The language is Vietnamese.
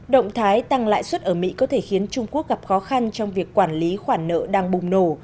động thái tăng lãi suất ở mỹ có thể khiến trung quốc gặp khó khăn trong việc quản lý khoản nợ đang bùng nổ